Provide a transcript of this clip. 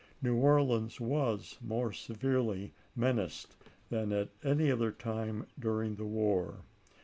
New Orleans was more severely menaced than at any other time during the war.